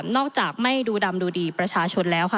นอกจากไม่ดูดำดูดีประชาชนแล้ว